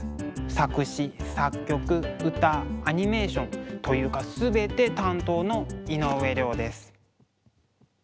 作詞作曲歌アニメーションというか全て担当の井上涼です。